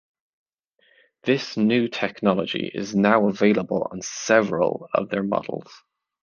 This new technology is now available on several of their models.